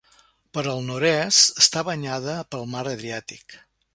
Per al nord-est està banyada pel mar Adriàtic.